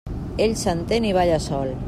Ell s'entén i balla sol.